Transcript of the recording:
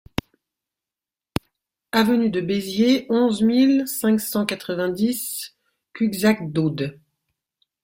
Avenue de Béziers, onze mille cinq cent quatre-vingt-dix Cuxac-d'Aude